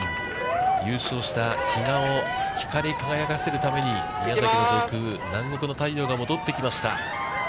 優勝した比嘉を光り輝かせるために宮崎の上空、南国の太陽が戻ってきました。